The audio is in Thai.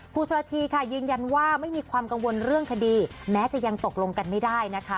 โชลธีค่ะยืนยันว่าไม่มีความกังวลเรื่องคดีแม้จะยังตกลงกันไม่ได้นะคะ